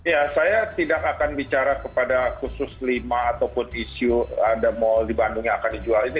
ya saya tidak akan bicara kepada khusus lima ataupun isu ada mall di bandung yang akan dijual ini